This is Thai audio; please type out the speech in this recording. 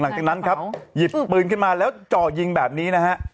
หลังจากนั้นครับหยิบปืนขึ้นมาแล้วเจาะยิงแบบนี้นะฮะ